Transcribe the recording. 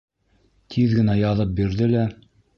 Тиҙ генә яҙып бирҙе лә: